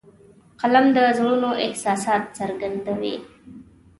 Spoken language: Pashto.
قلم د زړونو احساسات څرګندوي